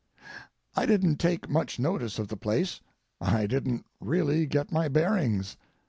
I didn't take much notice of the place. I didn't really get my bearings.